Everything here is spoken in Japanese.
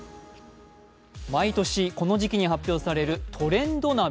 毎年この時期に発表されるトレンド鍋。